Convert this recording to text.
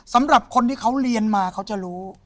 สำหรับคนที่เขาเรียนมาเขาจะรู้